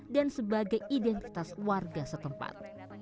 dan sebagai identitas warga setempat